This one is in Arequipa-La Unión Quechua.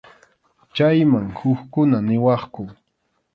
Chayman hukkuna niwaqku.